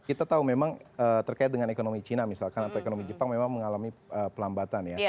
kita tahu memang terkait dengan ekonomi cina misalkan atau ekonomi jepang memang mengalami pelambatan ya